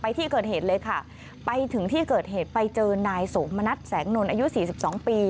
ที่เกิดเหตุเลยค่ะไปถึงที่เกิดเหตุไปเจอนายโสมณัฐแสงนนทอายุสี่สิบสองปี